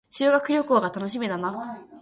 修学旅行が楽しみだな